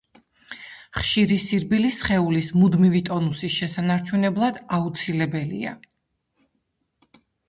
ხშირი სირბილი სხეულის მუდმივი ტონუსის შესანარჩუნებლად აუცილებელია.